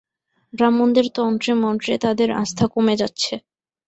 ব্রাহ্মণদের তন্ত্রেমন্ত্রে তাদের আস্থা কমে যাচ্ছে।